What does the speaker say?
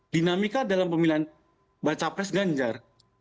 dinamika dalam pemilihan baca pres ganjar